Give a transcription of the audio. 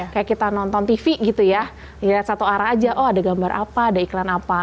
kayak kita nonton tv gitu ya lihat satu arah aja oh ada gambar apa ada iklan apa